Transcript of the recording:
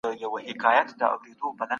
تاسو به د خپلي ټولني په پرمختګ کي رول لرئ.